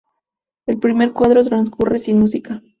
El primer cuadro transcurre sin música.